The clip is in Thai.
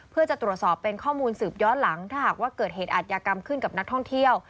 เพื่อจะตรวจสอบเป็นข้อมูลสืบย้อนหลังถ้าหากว่าเกิดเหตุอัธยากรรมขึ้นกับนักท่องเที่ยว